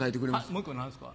もう１個何ですか？